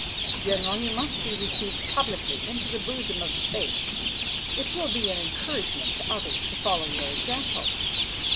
General, you must be received publicly into the bosom of the Faith; it will be an encouragement to others to follow your example.